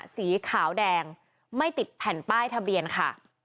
สีขาวแดงไม่ติดแผ่นป้ายทะเบียนค่ะ